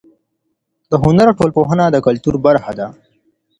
د هنر ټولنپوهنه د کلتور برخه ده.